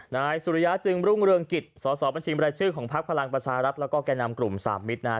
นายสุริยะจึงรุ่งเรืองกิจสสบัญชีบรายชื่อของพักพลังประชารัฐแล้วก็แก่นำกลุ่มสามมิตรนะฮะ